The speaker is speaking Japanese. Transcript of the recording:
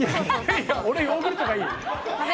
いや、俺ヨーグルトがいい！